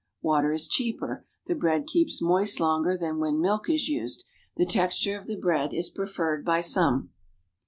Water is cheaper; the bread keeps moist longer than when milk is used; the texture of the bread is preferred by some.